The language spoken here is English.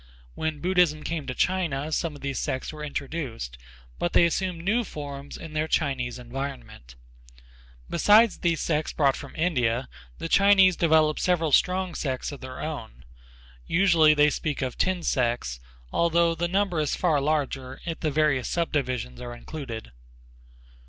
When Buddhism came to China some of these sects were introduced, but they assumed new forms in their Chinese environment. Besides the sects brought, from India the Chinese developed several strong sects of their own. Usually they speak of ten sects although the number is far larger, if the various subdivisions are included.